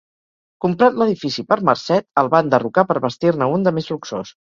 Comprat l'edifici per Marcet, el va enderrocar per bastir-ne un de més luxós.